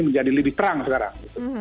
menjadi lebih terang sekarang